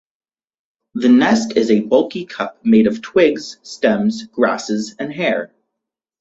The nest is a bulky cup made of twigs, stems, grasses, and hair.